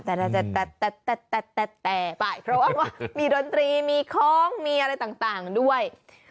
เพราะว่ามีโดนตรีมีของมีอะไรต่างด้วย